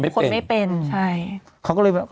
ฟังลูกครับ